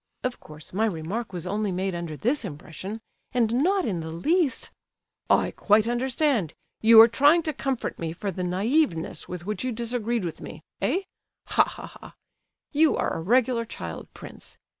Of course my remark was only made under this impression, and not in the least—" "I quite understand. You are trying to comfort me for the naiveness with which you disagreed with me—eh? Ha! ha! ha! You are a regular child, prince!